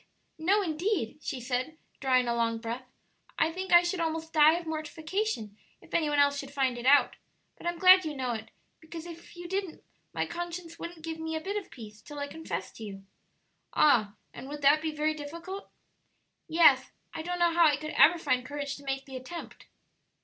No indeed!" she said, drawing a long breath; "I think I should almost die of mortification if any one else should find it out; but I'm glad you know it, because if you didn't my conscience wouldn't give me a bit of peace till I confessed to you." "Ah! and would that be very difficult?" "Yes; I don't know how I could ever find courage to make the attempt."